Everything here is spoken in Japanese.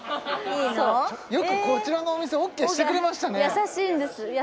優しいんです